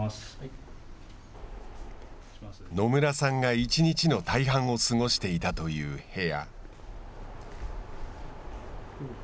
野村さんが１日の大半を過ごしていたという部屋。